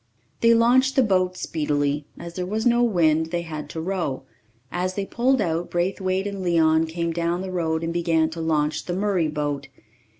They launched the boat speedily; as there was no wind, they had to row. As they pulled out, Braithwaite and Leon came down the road and began to launch the Murray boat.